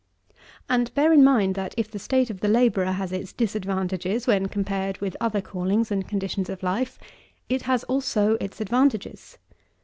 15. And, bear in mind, that if the state of the labourer has its disadvantages when compared with other callings and conditions of life, it has also its advantages.